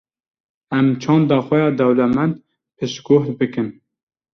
em çanda xwe ya dewlemed piştgoh bikin.